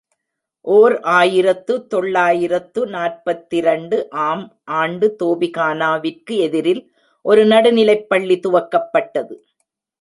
ஓர் ஆயிரத்து தொள்ளாயிரத்து நாற்பத்திரண்டு ஆம் ஆண்டு தோபிகானா விற்கு எதிரில் ஒரு நடுநிலைப் பள்ளி துவக்கப்பட்டது.